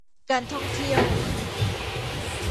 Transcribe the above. การท่องเที่ยว